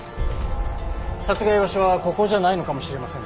殺害場所はここじゃないのかもしれませんね。